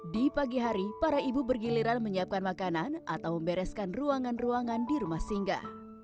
di pagi hari para ibu bergiliran menyiapkan makanan atau membereskan ruangan ruangan di rumah singga